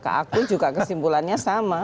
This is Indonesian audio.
ke akun juga kesimpulannya sama